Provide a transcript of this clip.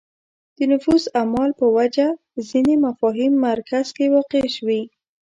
د نفوذ اعمال په وجه ځینې مفاهیم مرکز کې واقع شوې